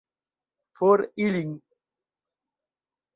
For ilin!